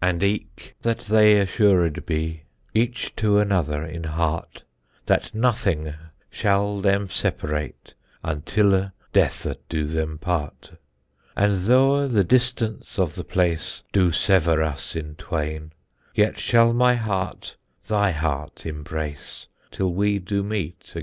And eicke that they assured bee Etche toe another in harte, That nothinge shall them seperate Untylle deathe doe them parte? And thoughe the dystance of the place Doe severe us in twayne, Yet shall my harte thy harte imbrace Tyll we doe meete agayne.